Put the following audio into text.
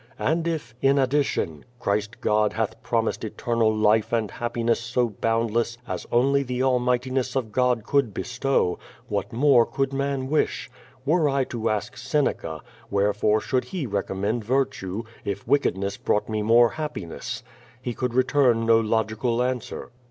And if, in addition, Christ God hath promised eternal life and happiness so boundless as only the allmigl\tiness of God could bestow, what more could man wish? Were I to ask Seneca, wherefore should he recommend virtue, if wickedness brought me more happiness, lu» could return no logical answer.